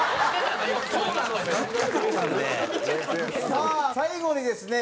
さあ最後にですね